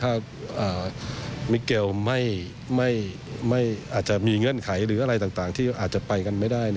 ถ้ามิเกลอาจจะมีเงื่อนไขหรืออะไรต่างที่อาจจะไปกันไม่ได้